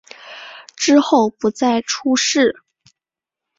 之后不再出仕。